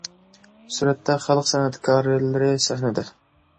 سۈرەتتە: خەلق سەنئەتكارلىرى سەھنىدە.